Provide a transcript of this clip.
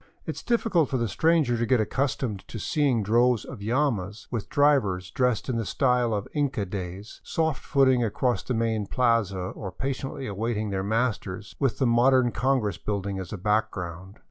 It is difficult for the stranger to get accustomed to seeing droves of llamas, with drivers dresised in the style of Inca days, soft footing across the main plaza or patiently awaiting their masters, with the modern congress building as a background.